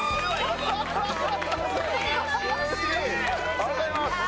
ありがとうございます！